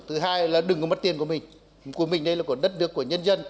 thứ hai là đừng có mất tiền của mình của mình đây là của đất nước của nhân dân